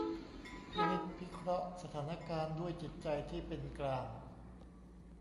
พินิจพิเคราะห์สถานการณ์ด้วยจิตใจที่เป็นกลาง